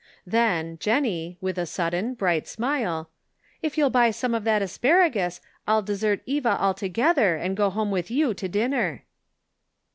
Then, Jennie, with a sudden, bright smile, " if you'll buy some of that asparagus I'll desert Eva altogether and go home with you to dinner."